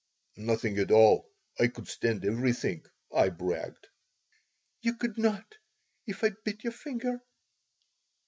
"Nothing at all. I could stand everything," I bragged "You could not, if I bit your finger."